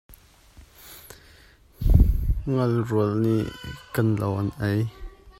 Ngal rual nih kan lo an ei.